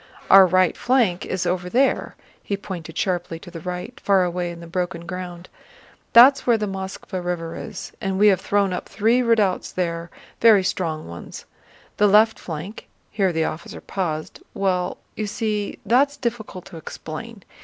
Our right flank is over there"—he pointed sharply to the right, far away in the broken ground—"That's where the Moskvá River is, and we have thrown up three redoubts there, very strong ones. The left flank..." here the officer paused. "Well, you see, that's difficult to explain....